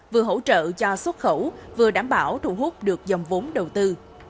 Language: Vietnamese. vừa hỗ trợ cho xuất khẩu vừa đảm bảo thu hút được dòng vốn đầu tư